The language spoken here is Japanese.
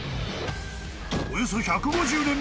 ［およそ１５０年